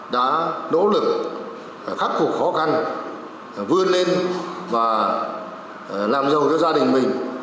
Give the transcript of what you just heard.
đã nỗ lực khắc phục khó khăn vươn lên và làm giàu cho gia đình mình